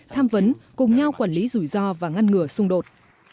tham vấn cùng nhau quản lý rủi ro và ngăn ngừa xung đột